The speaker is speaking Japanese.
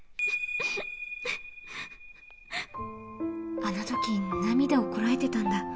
あのとき涙をこらえてたんだ。